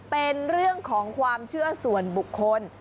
เป็นเรื่องของความเชื่อส่วนบุคคล